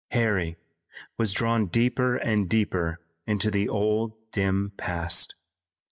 Harry was drawn deeper and deeper into the old dim past.